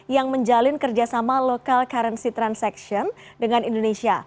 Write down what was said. yang menjalin kerjasama local currency transaction dengan indonesia